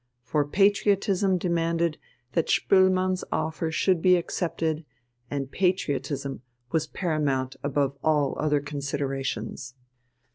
For patriotism demanded that Spoelmann's offer should be accepted, and patriotism was paramount above all other considerations.